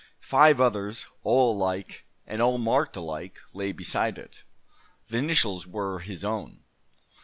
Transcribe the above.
Five others, all alike, and all marked alike, lay beside it. The initials were his own.